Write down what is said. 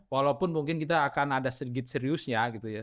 walaupun mungkin kita akan ada sedikit seriusnya gitu ya